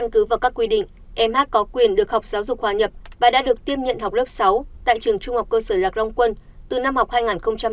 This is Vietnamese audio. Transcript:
cứ vào các quy định mh có quyền được học giáo dục hòa nhập và đã được tiếp nhận học lớp sáu tại trường trung học cơ sở lạc long quân từ năm học hai nghìn hai mươi hai nghìn hai mươi một